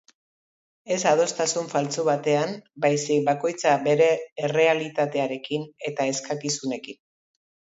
Ez adostasun faltsu batean, baizik bakoitza bere errealitatearekin eta eskakizunekin.